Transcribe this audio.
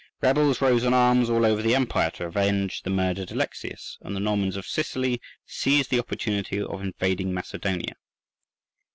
Rebels rose in arms all over the empire to avenge the murdered Alexius, and the Normans of Sicily seized the opportunity of invading Macedonia.